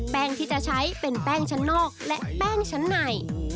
ที่จะใช้เป็นแป้งชั้นนอกและแป้งชั้นใน